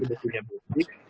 sudah punya musik